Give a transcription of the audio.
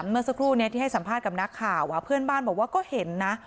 เมื่อสักครู่นี้ที่ให้สัมภาษณ์กับนักข่าวเพื่อนบ้านบอกว่าก็เห็นนะ